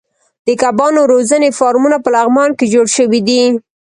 د کبانو روزنې فارمونه په لغمان کې جوړ شوي دي.